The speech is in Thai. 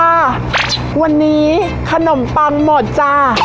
วันนี้ขนมปังหมดจ้ะ